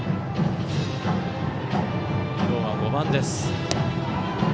今日は５番です。